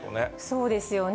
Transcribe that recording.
そうですよね。